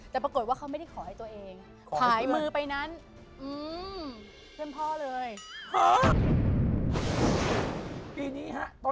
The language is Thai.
แต่ปรากฏว่าเขาไม่ได้ขอให้ตัวเอง